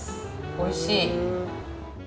おいしい！